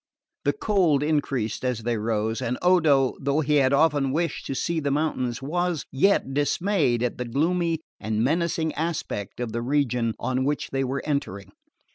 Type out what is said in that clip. The cold increased as they rose; and Odo, though he had often wished to see the mountains, was yet dismayed at the gloomy and menacing aspect of the region on which they were entering.